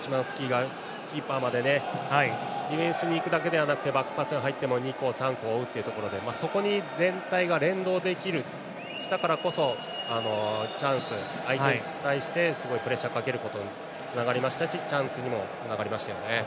シマンスキがキーパーまでディフェンスに行くだけじゃなくバックパスが入っても２個、３個追うというそこに全体が連動したからこそ相手に対してすごいプレッシャーかけることにつながりましたしチャンスにもつながりましたよね。